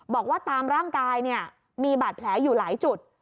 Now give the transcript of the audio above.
บอกว่าตามร่างกายเนี่ยมีบาดแผลอยู่หลายจุด